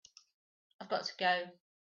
I've got to go.